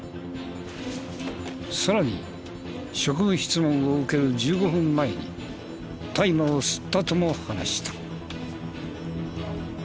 さらに職務質問を受ける１５分前に大麻を吸ったとも話した。